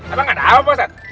apa gak ada apa pak ustadz